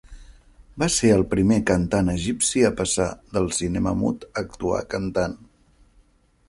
Va ser el primer cantant egipci a passar del cinema mut a actuar cantant.